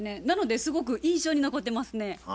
なのですごく印象に残ってますね。